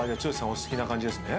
お好きな感じですね？